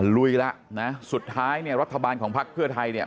ลุยแล้วนะสุดท้ายเนี่ยรัฐบาลของพักเพื่อไทยเนี่ย